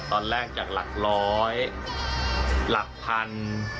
ตอนแรกจากหลักร้อยหลักพัน